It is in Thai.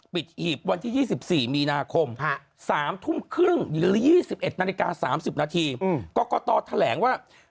หีบวันที่๒๔มีนาคม๓ทุ่มครึ่งหรือ๒๑นาฬิกา๓๐นาทีกรกตแถลงว่า